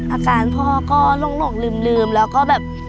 อาการพ่อก็หลงลืมแล้วก็แบบ